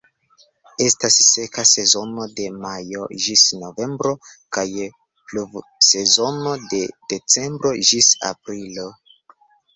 Estas seka sezono de majo ĝis novembro kaj pluvsezono de decembro ĝis aprilo.